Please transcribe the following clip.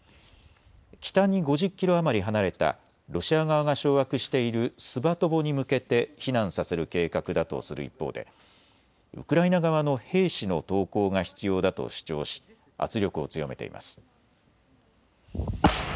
北に５０キロ余り離れたロシア側が掌握しているスバトボに向けて避難させる計画だとする一方でウクライナ側の兵士の投降が必要だと主張し圧力を強めています。